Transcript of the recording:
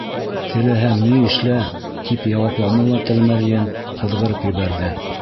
—Теләһәң ни эшлә, —тип яуапланы ла Тәлмәрйен, һыҙғырып ебәрҙе.